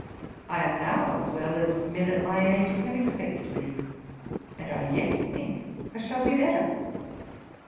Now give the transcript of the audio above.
I am now as well as men at my age can expect to be, and I yet think I shall be better.'